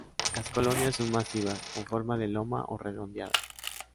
Las colonias son masivas, con forma de loma o redondeadas.